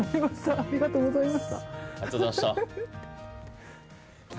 ありがとうございます。